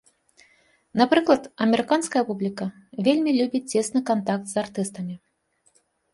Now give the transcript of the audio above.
Напрыклад, амерыканская публіка вельмі любіць цесны кантакт з артыстамі.